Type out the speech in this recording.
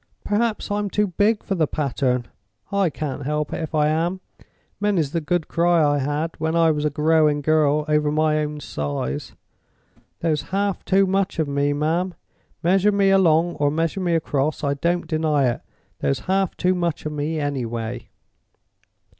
Perhaps I'm too big for the pattern? I can't help it if I am. Many's the good cry I had, when I was a growing girl, over my own size! There's half too much of me, ma'am—measure me along or measure me across, I don't deny it—there's half too much of me, anyway."